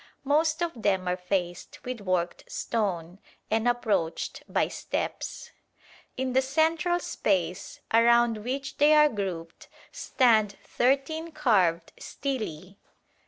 Most of them are faced with worked stone, and approached by steps. In the central space around which they are grouped stand thirteen carved stelae.